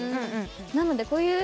なのでこういう。